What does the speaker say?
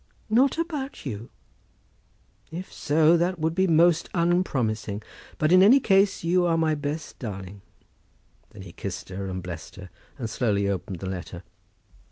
"Not about you? If so, that would be most unpromising. But, in any case, you are my best darling." Then he kissed her and blessed her, and slowly opened the letter.